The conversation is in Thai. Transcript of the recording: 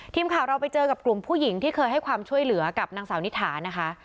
ทีมข่าวเราไปเจอกับกลุ่มผู้หญิงที่เคยให้ความช่วยเหลือกับนางสาวนิถานะคะ